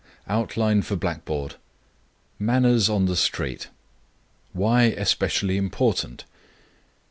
OUTLINE FOR BLACKBOARD. MANNERS ON THE STREET. _Why especially important.